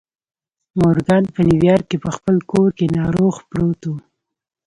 مورګان په نيويارک کې په خپل کور کې ناروغ پروت و.